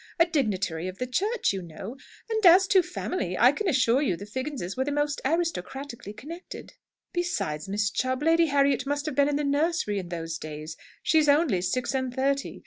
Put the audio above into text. A dignitary of the Church, you know! And as to family I can assure you the Figginses were most aristocratically connected." "Besides, Miss Chubb, Lady Harriet must have been in the nursery in those days. She's only six and thirty.